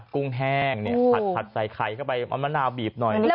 กุ้งแห้งเนี่ยผัดใส่ไข่เข้าไปเอามะนาวบีบหน่อย